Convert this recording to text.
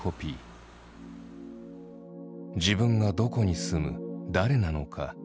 自分がどこに住む誰なのか。